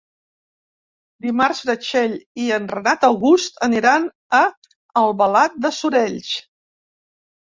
Dimarts na Txell i en Renat August aniran a Albalat dels Sorells.